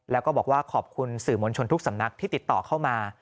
แล้วก็บอกว่าขอบคุณสื่อมวลชนทุกสำนักที่ติดต่อเข้ามา